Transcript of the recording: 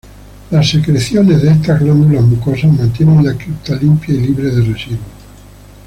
Las secreciones de estas glándulas mucosas mantienen la cripta limpia y libre de residuos.